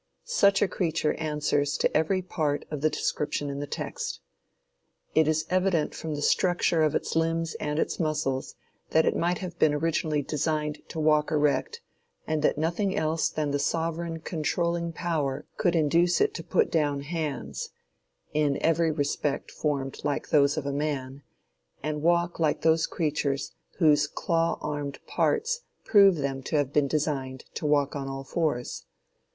Such a creature answers to every part of the description in the text. It is evident from the structure of its limbs and its muscles that it might have been originally designed to walk erect, and that nothing else than the sovereign controlling power could induce it to put down hands in every respect formed like those of man and walk like those creatures whose claw armed parts prove them to have been designed to walk on all fours.